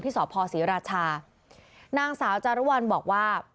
ที่สอบพศรีราชานางสาวจารวรบอกว่า